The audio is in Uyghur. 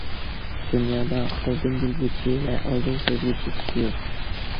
دۇنيادا ئالدىن بىلگۈچى ۋە ئالدىن سەزگۈچى كىشى يوق.